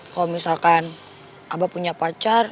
kalau misalkan abah punya pacar